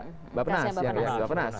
kasnya bapak penas